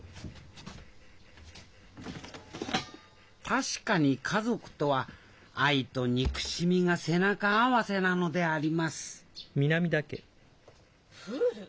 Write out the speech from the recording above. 確かに家族とは愛と憎しみが背中合わせなのでありますプール？